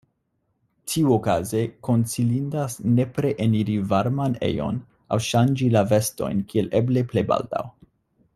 Tiuokaze konsilindas nepre eniri varman ejon aŭ ŝanĝi la vestojn kiel eble plej baldaŭ.